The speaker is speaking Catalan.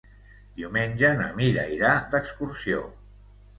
Diumenge na Mira irà d'excursió.